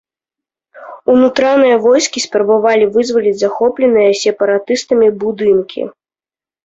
Унутраныя войскі спрабавалі вызваліць захопленыя сепаратыстамі будынкі.